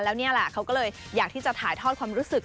แล้วนี่แหละเขาก็เลยอยากที่จะถ่ายทอดความรู้สึก